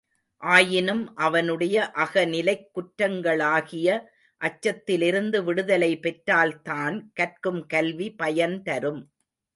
ஆயினும் அவனுடைய அகநிலைக் குற்றங்களாகிய அச்சத்திலிருந்து விடுதலை பெற்றால்தான் கற்கும் கல்வி பயன்தரும்.